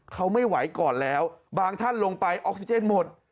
เขาไม่ไหวก่อนแล้วบางท่านลงไปออกซิเจนหมด